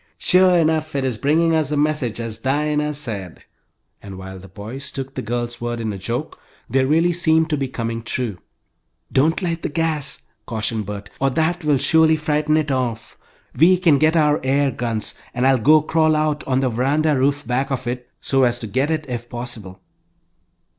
"Sure enough it is bringing us a message, as Dinah said," and while the boys took the girl's words in a joke, they really seemed to be coming true. "Don't light the gas," cautioned Bert, "or that will surely frighten it off. We can get our air guns, and I'll go crawl out on the veranda roof back of it, so as to get it if possible."